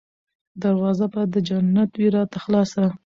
دروازه به د جنت وي راته خلاصه